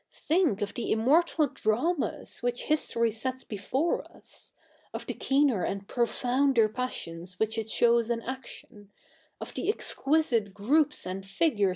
Think of the immortal dramas which history sets before us ; of the keener and profounder passions which it shows in action, of the exquisite groups and figures it CH.